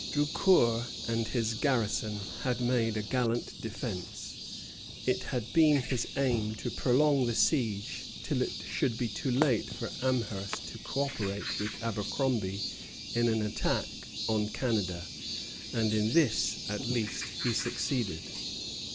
Drucour and his garrison had made a gallant defence. It had been his aim to prolong the siege till it should be too late for Amherst to co operate with Abercromby in an attack on Canada; and in this, at least, he succeeded.